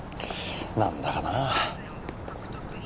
何だかな